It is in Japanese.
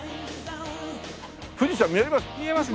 富士山見えます？